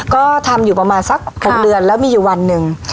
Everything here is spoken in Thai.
ก็ทำประมาณ๖เดือนและมีอยู่วันนึง